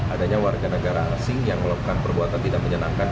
adanya warga negara asing yang melakukan perbuatan tidak menyenangkan